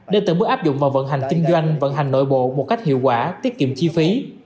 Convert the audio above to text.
để từng bước áp dụng vào vận hành kinh doanh vận hành nội bộ một cách hiệu quả tiết kiệm chi phí